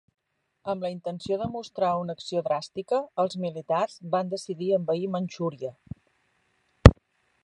Amb la intenció de mostrar una acció dràstica, els militars van decidir envair Manxúria.